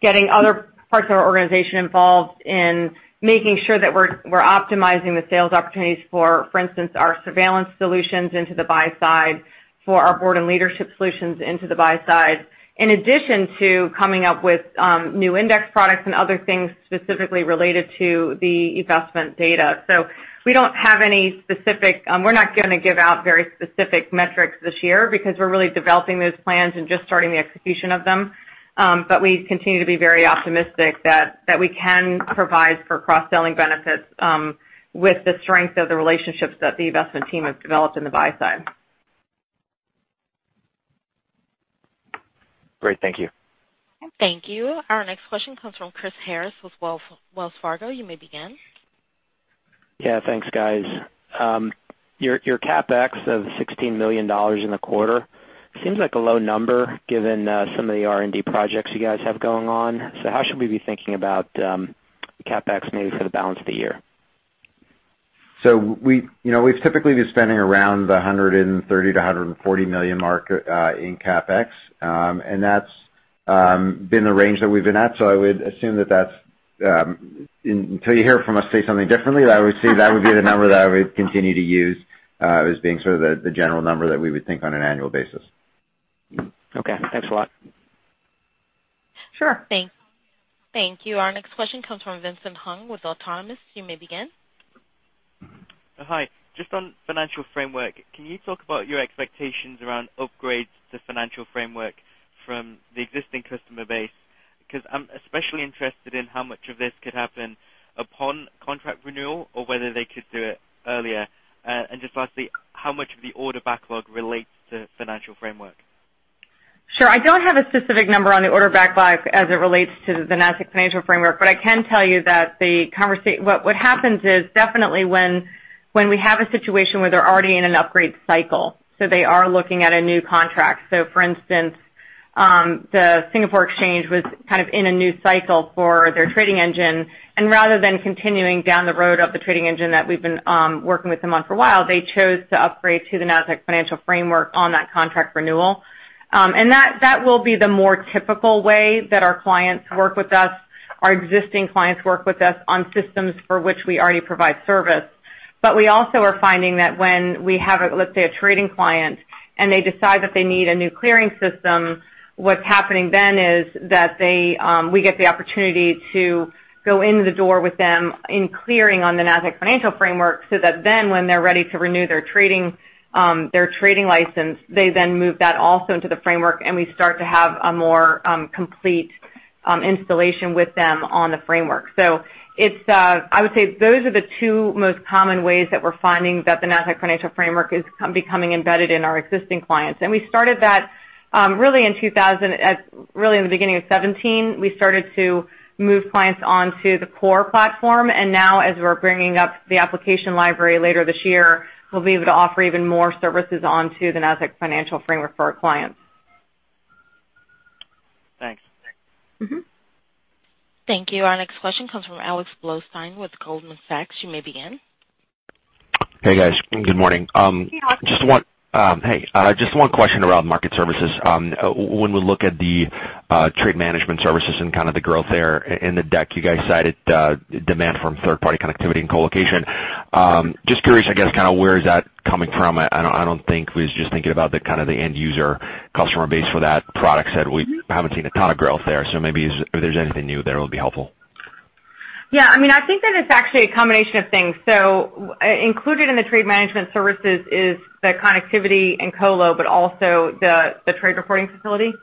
getting other parts of our organization involved in making sure that we're optimizing the sales opportunities for instance, our surveillance solutions into the buy side for our board and leadership solutions into the buy side. In addition to coming up with new index products and other things specifically related to the eVestment data. We're not going to give out very specific metrics this year because we're really developing those plans and just starting the execution of them. We continue to be very optimistic that we can provide for cross-selling benefits with the strength of the relationships that the eVestment team has developed in the buy side. Great. Thank you. Thank you. Our next question comes from Chris Harris with Wells Fargo. You may begin. Yeah, thanks guys. Your CapEx of $16 million in the quarter seems like a low number given some of the R&D projects you guys have going on. How should we be thinking about CapEx maybe for the balance of the year? We've typically been spending around the $130 million-$140 million mark in CapEx, and that's been the range that we've been at. I would assume that until you hear from us say something differently, I would say that would be the number that I would continue to use as being sort of the general number that we would think on an annual basis. Okay, thanks a lot. Sure. Thank you. Our next question comes from Vincent Hung with Autonomous. You may begin. Hi. Just on Nasdaq Financial Framework, can you talk about your expectations around upgrades to Nasdaq Financial Framework from the existing customer base? I'm especially interested in how much of this could happen upon contract renewal or whether they could do it earlier. Just lastly, how much of the order backlog relates to Nasdaq Financial Framework? Sure. I don't have a specific number on the order backlog as it relates to the Nasdaq Financial Framework, I can tell you that what happens is definitely when we have a situation where they're already in an upgrade cycle, they are looking at a new contract. For instance, the Singapore Exchange was kind of in a new cycle for their trading engine, rather than continuing down the road of the trading engine that we've been working with them on for a while, they chose to upgrade to the Nasdaq Financial Framework on that contract renewal. That will be the more typical way that our clients work with us, our existing clients work with us on systems for which we already provide service. We also are finding that when we have, let's say, a trading client, they decide that they need a new clearing system, what's happening then is that we get the opportunity to go into the door with them in clearing on the Nasdaq Financial Framework so that then when they're ready to renew their trading license, they then move that also into the framework, we start to have a more complete installation with them on the framework. I would say those are the two most common ways that we're finding that the Nasdaq Financial Framework is becoming embedded in our existing clients. We started that really in the beginning of 2017. We started to move clients onto the core platform, now as we're bringing up the application library later this year, we'll be able to offer even more services onto the Nasdaq Financial Framework for our clients. Thanks. Thank you. Our next question comes from Alexander Blostein with Goldman Sachs. You may begin. Hey, guys. Good morning. Hey, Alex. Hey. Just one question around market services. When we look at the trade management services and kind of the growth there in the deck, you guys cited demand from third-party connectivity and colocation. Just curious, I guess, kind of where is that coming from? I was just thinking about kind of the end-user customer base for that product set. We haven't seen a ton of growth there. Maybe if there's anything new there, it would be helpful. Yeah. I think that it's actually a combination of things. Included in the trade management services is the connectivity and colo, but also the Trade Reporting Facility.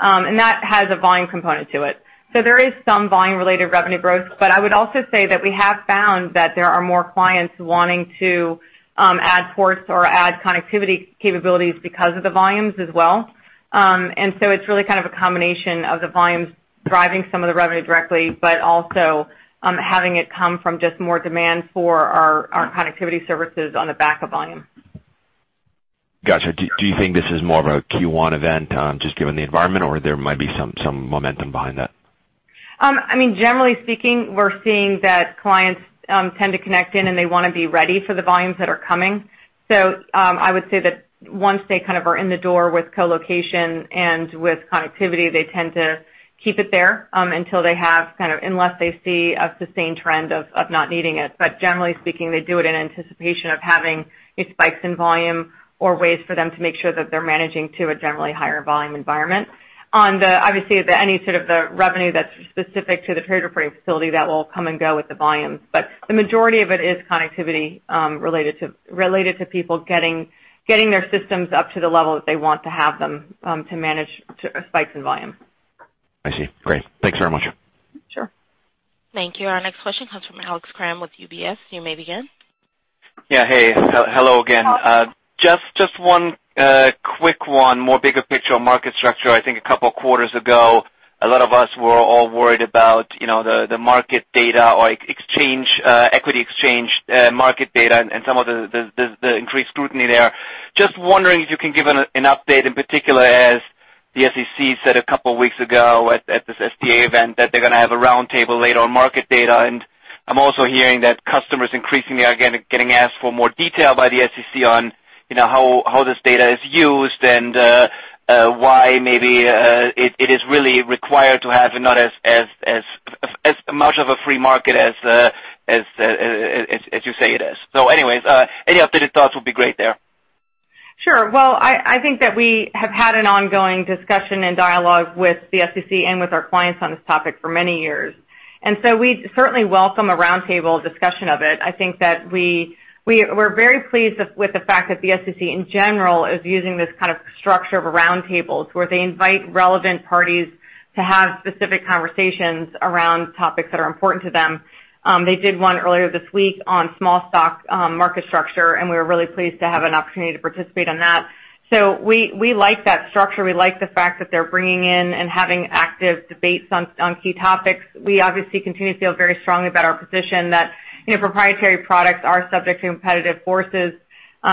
That has a volume component to it. There is some volume-related revenue growth. I would also say that we have found that there are more clients wanting to add ports or add connectivity capabilities because of the volumes as well. It's really kind of a combination of the volumes driving some of the revenue directly, but also having it come from just more demand for our connectivity services on the back of volume. Got you. Do you think this is more of a Q1 event just given the environment, or there might be some momentum behind that? Generally speaking, we're seeing that clients tend to connect in, and they want to be ready for the volumes that are coming. I would say that once they kind of are in the door with colocation and with connectivity, they tend to keep it there unless they see a sustained trend of not needing it. Generally speaking, they do it in anticipation of having spikes in volume or ways for them to make sure that they're managing to a generally higher volume environment. Obviously, any sort of the revenue that's specific to the Trade Reporting Facility, that will come and go with the volumes. The majority of it is connectivity related to people getting their systems up to the level that they want to have them to manage spikes in volume. I see. Great. Thanks very much. Sure. Thank you. Our next question comes from Alex Kramm with UBS. You may begin. Yeah. Hey. Hello again. Just one quick one, more bigger picture on market structure. I think a couple of quarters ago, a lot of us were all worried about the market data or equity exchange market data and some of the increased scrutiny there. Just wondering if you can give an update in particular, as the SEC said a couple of weeks ago at this STA event that they're going to have a roundtable later on market data. I'm also hearing that customers increasingly are getting asked for more detail by the SEC on how this data is used and why maybe it is really required to have not as much of a free market as you say it is. Anyways, any updated thoughts would be great there. Sure. Well, I think that we have had an ongoing discussion and dialogue with the SEC and with our clients on this topic for many years, so we certainly welcome a roundtable discussion of it. I think that we're very pleased with the fact that the SEC, in general, is using this kind of structure of a roundtable, where they invite relevant parties to have specific conversations around topics that are important to them. They did one earlier this week on small stock market structure, we were really pleased to have an opportunity to participate in that. We like that structure. We like the fact that they're bringing in and having active debates on key topics. We obviously continue to feel very strongly about our position that proprietary products are subject to competitive forces.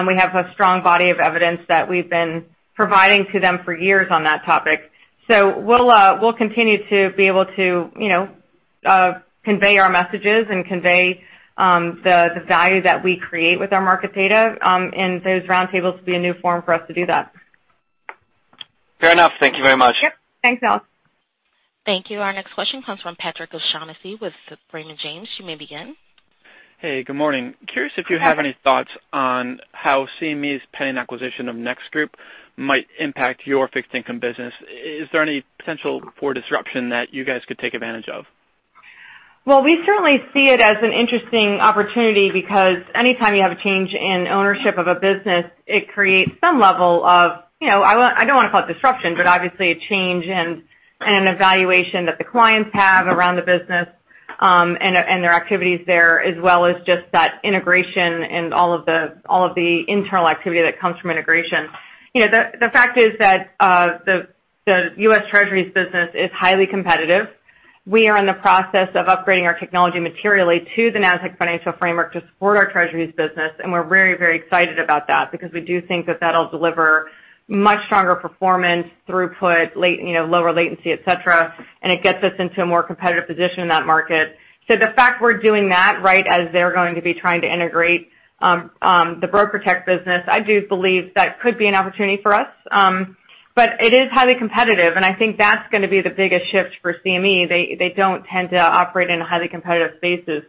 We have a strong body of evidence that we've been providing to them for years on that topic. We'll continue to be able to convey our messages and convey the value that we create with our market data, and those roundtables will be a new forum for us to do that. Fair enough. Thank you very much. Yep. Thanks, Alex. Thank you. Our next question comes from Patrick O'Shaughnessy with Raymond James. You may begin. Hey, good morning. Good morning. Curious if you have any thoughts on how CME's pending acquisition of NEX Group might impact your fixed income business. Is there any potential for disruption that you guys could take advantage of? Well, we certainly see it as an interesting opportunity because anytime you have a change in ownership of a business, it creates some level of I don't want to call it disruption, but obviously a change in an evaluation that the clients have around the business, and their activities there, as well as just that integration and all of the internal activity that comes from integration. The fact is that the U.S. Treasuries business is highly competitive. We are in the process of upgrading our technology materially to the Nasdaq Financial Framework to support our Treasuries business, and we're very excited about that because we do think that that'll deliver much stronger performance throughput, lower latency, et cetera, and it gets us into a more competitive position in that market. The fact we're doing that right as they're going to be trying to integrate the BrokerTec business, I do believe that could be an opportunity for us. It is highly competitive, and I think that's going to be the biggest shift for CME. They don't tend to operate in highly competitive spaces.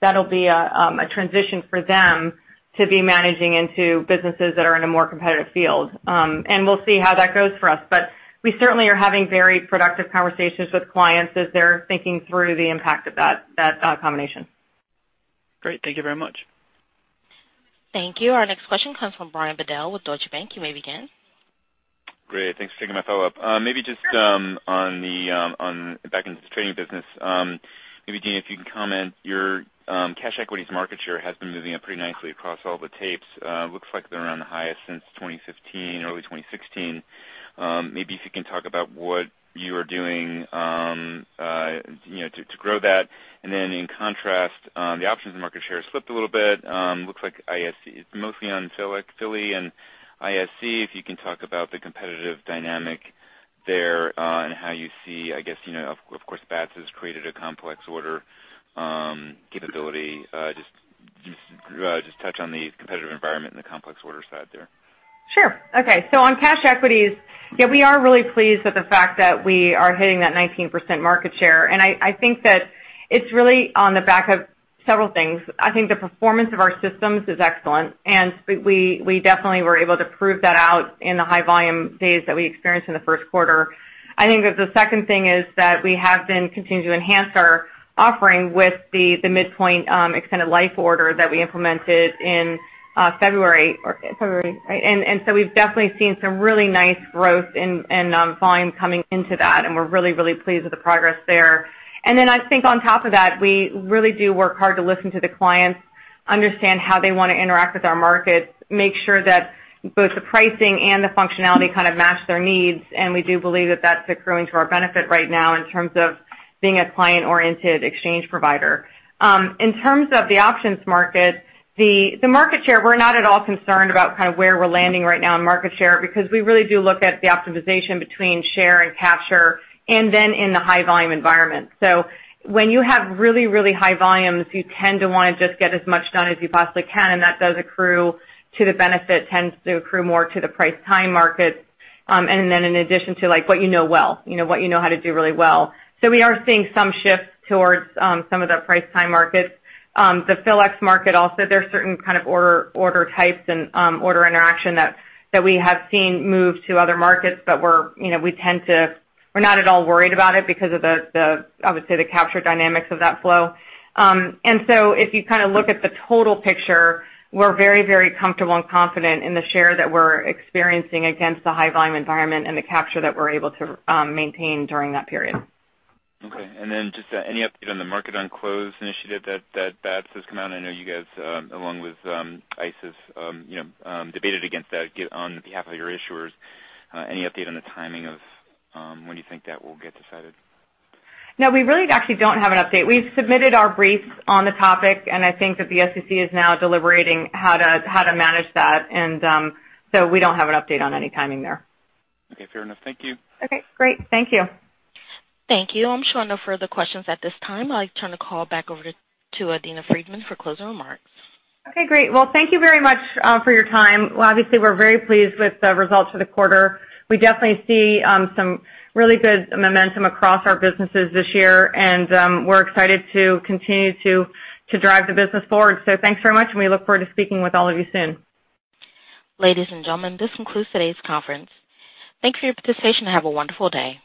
That'll be a transition for them to be managing into businesses that are in a more competitive field. We'll see how that goes for us, but we certainly are having very productive conversations with clients as they're thinking through the impact of that combination. Great. Thank you very much. Thank you. Our next question comes from Brian Bedell with Deutsche Bank. You may begin. Great. Thanks for taking my follow-up. Sure. Maybe just back into the trading business. Maybe, Adena, if you can comment, your cash equities market share has been moving up pretty nicely across all the tapes. Looks like they're on the highest since 2015, early 2016. Maybe if you can talk about what you are doing to grow that. In contrast, the options and market share slipped a little bit. Looks like it's mostly on Philly and ISE. If you can talk about the competitive dynamic there, and how you see, of course, Bats has created a complex order capability. Just touch on the competitive environment and the complex order side there. Sure. Okay. On cash equities, we are really pleased with the fact that we are hitting that 19% market share. I think that it's really on the back of several things. I think the performance of our systems is excellent, and we definitely were able to prove that out in the high volume days that we experienced in the first quarter. I think that the second thing is that we have been continuing to enhance our offering with the Midpoint Extended Life Order that we implemented in February. We've definitely seen some really nice growth in volume coming into that, and we're really pleased with the progress there. I think on top of that, we really do work hard to listen to the clients, understand how they want to interact with our markets, make sure that both the pricing and the functionality kind of match their needs, and we do believe that that's accruing to our benefit right now in terms of being a client-oriented exchange provider. In terms of the options market, the market share, we're not at all concerned about where we're landing right now in market share because we really do look at the optimization between share and capture and then in the high volume environment. When you have really high volumes, you tend to want to just get as much done as you possibly can, and that does accrue to the benefit, tends to accrue more to the price-time markets. In addition to what you know well, what you know how to do really well. We are seeing some shifts towards some of the price-time markets. The PHLX market also, there's certain kind of order types and order interaction that we have seen move to other markets, but we're not at all worried about it because of the, I would say, the capture dynamics of that flow. If you look at the total picture, we're very comfortable and confident in the share that we're experiencing against the high volume environment and the capture that we're able to maintain during that period. Okay. Just any update on the Market on Close initiative that Bats has come out? I know you guys, along with ISE, debated against that on behalf of your issuers. Any update on the timing of when you think that will get decided? No, we really actually don't have an update. We've submitted our briefs on the topic. I think that the SEC is now deliberating how to manage that. We don't have an update on any timing there. Okay, fair enough. Thank you. Okay, great. Thank you. Thank you. I'm showing no further questions at this time. I'll turn the call back over to Adena Friedman for closing remarks. Okay, great. Thank you very much for your time. Obviously, we're very pleased with the results for the quarter. We definitely see some really good momentum across our businesses this year, and we're excited to continue to drive the business forward. Thanks very much, and we look forward to speaking with all of you soon. Ladies and gentlemen, this concludes today's conference. Thanks for your participation and have a wonderful day.